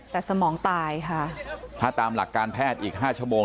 แต่สมองตายค่ะถ้าตามหลักการแพทย์อีกห้าชั่วโมง